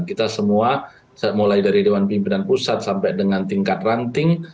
kita semua mulai dari dewan pimpinan pusat sampai dengan tingkat ranting